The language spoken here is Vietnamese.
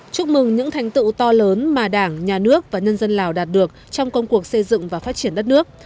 chúc mừng những thành tựu to lớn mà đảng nhà nước và nhân dân lào đạt được trong công cuộc xây dựng và phát triển đất nước